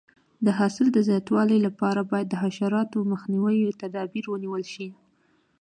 د حاصل د زیاتوالي لپاره باید د حشراتو مخنیوي تدابیر ونیول شي.